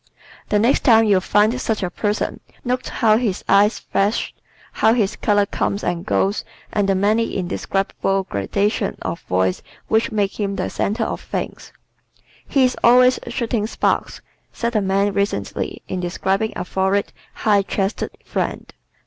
The next time you find such a person note how his eyes flash, how his color comes and goes and the many indescribable gradations of voice which make him the center of things. "He is always shooting sparks," said a man recently in describing a florid, high chested friend.